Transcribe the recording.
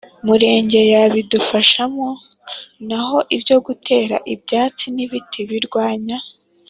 murenge yabidufashamo. Naho ibyo gutera ibyatsi n’ibiti birwanya